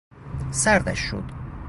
سردش شد.